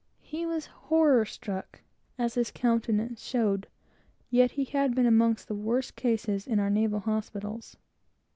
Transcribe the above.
He was horror struck, as his countenance showed; yet he had been among the worst cases in our naval hospitals.